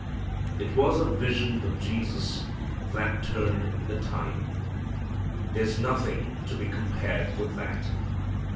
It was a vision of Jesus that turned the tide. There's nothing to be compared with that.